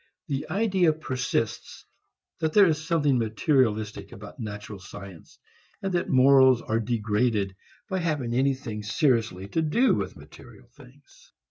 The idea persists that there is something materialistic about natural science and that morals are degraded by having anything seriously to do with material things.